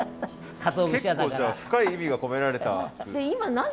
結構じゃあ深い意味が込められた。